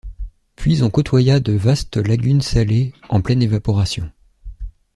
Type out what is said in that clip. Puis on côtoya de vastes lagunes salées, en pleine évaporation.